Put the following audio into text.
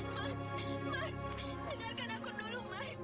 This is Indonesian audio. mas mas dengarkan aku dulu mas